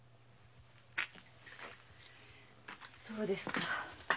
そうですか。